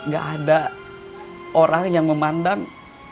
gak ada orang yang memandang